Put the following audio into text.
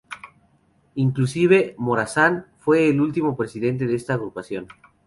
Inclusive Morazán fue el último presidente de esta agrupación.